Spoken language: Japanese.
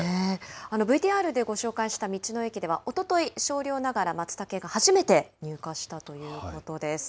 ＶＴＲでご紹介した道の駅では、おととい、少量ながらまつたけが初めて入荷したということです。